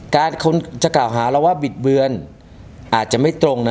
คนจะกล่าวหาเราว่าบิดเบือนอาจจะไม่ตรงนะ